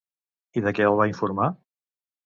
I de què el va informar?